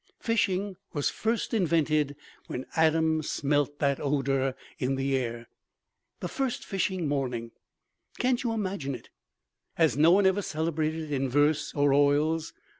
Fishing was first invented when Adam smelt that odor in the air. The first fishing morning can't you imagine it! Has no one ever celebrated it in verse or oils?